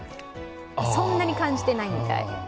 そんなに感じてないみたい。